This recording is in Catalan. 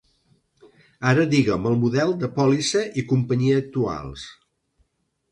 Ara digues-me el model de pòlissa i companyia actuals.